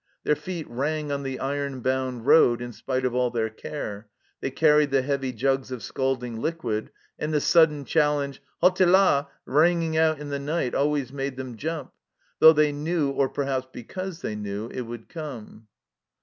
Their feet rang on the iron bound road in spite of all their care ; they carried the heavy jugs of scalding liquid, and the sudden challenge, " Halte Ih !" ringing out in the night, always made them jump, though they knew, or perhaps because they knew, it would come.